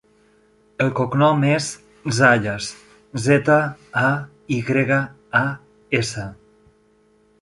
El cognom és Zayas: zeta, a, i grega, a, essa.